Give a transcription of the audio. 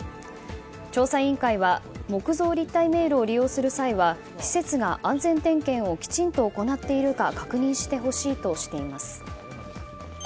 調査委員会は木造立体迷路を利用する際は施設が安全点検をきちんと行っているか確認してほしいとしています。